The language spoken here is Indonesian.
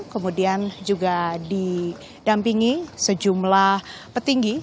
kemudian juga didampingi sejumlah petinggi